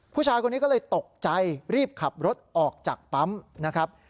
ผู้ชายคนนี้ก็เลยตกใจรีบขับรถออกจากปั๊มนะครับ